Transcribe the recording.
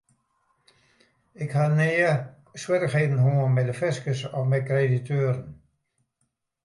Ik ha nea swierrichheden hân mei de fiskus of mei krediteuren.